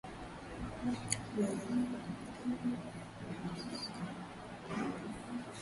Venezuela Ecuador Bolivia Guyana Suriname na